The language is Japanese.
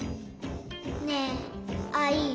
ねえアイ。